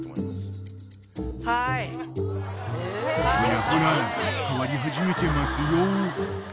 ［ほらほら変わり始めてますよ］